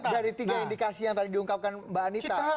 dari tiga indikasi yang tadi diungkapkan mbak anita